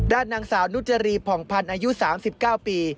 ด้านนางสาวนุจรีผ่องพันธ์อายุ๓๙ปี